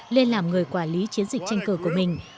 lên làm người quản lý chiến dịch tranh cử của mình